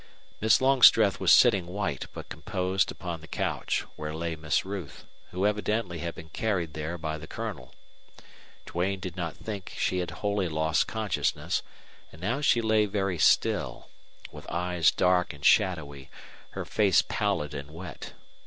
Miss Longstreth was sitting white but composed upon the couch, where lay Miss Ruth, who evidently had been carried there by the Colonel. Duane did not think she had wholly lost consciousness, and now she lay very still, with eyes dark and shadowy, her face pallid and wet.